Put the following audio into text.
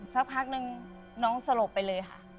สักพักนึงน้องสลบไปเลยค่ะ